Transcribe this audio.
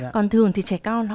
còn thường thì trẻ con